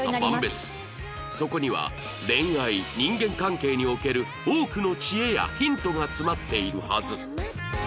そこには恋愛人間関係における多くの知恵やヒントが詰まっているはず